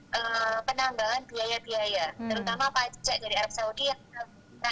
kemudian yang kedua adalah seandainya nanti kita reschedule tahun depan yang kami khawatirkan adalah penambahan biaya biaya